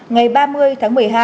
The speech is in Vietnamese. ngày ba mươi tháng một mươi hai